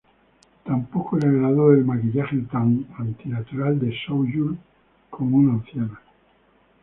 Tampoco le agradó el "maquillaje tan" antinatural de So-yul como una anciana.